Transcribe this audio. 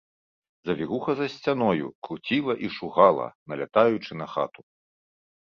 Завіруха за сцяною круціла і шугала, налятаючы на хату.